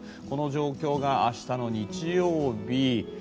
この状況が明日の日曜日